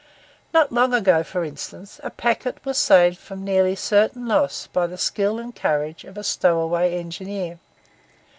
Not long ago, for instance, a packet was saved from nearly certain loss by the skill and courage of a stowaway engineer.